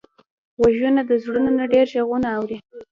غوږونه د زړونو نه ډېر غږونه اوري